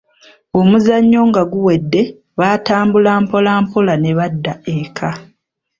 Omuzannyo nga guwedde, baatambula mpolamola ne badda eka.